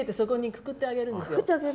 くくってあげるの？